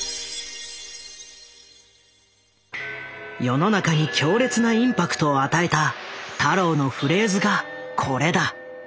世の中に強烈なインパクトを与えた太郎のフレーズがこれだ。